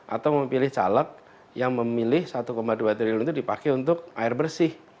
atau memilih caleg yang memilih rp satu dua triliun itu dipakai untuk air bersih